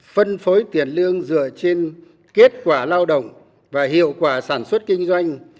phân phối tiền lương dựa trên kết quả lao động và hiệu quả sản xuất kinh doanh